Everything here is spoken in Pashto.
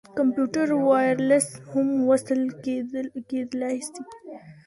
کمپيوټر وايرلس هم وصل کېدلاى سي.